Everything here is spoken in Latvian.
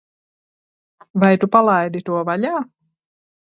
Vai Tu palaidi to vaļā?